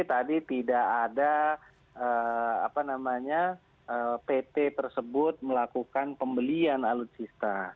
tadi tidak ada pt tersebut melakukan pembelian alutsista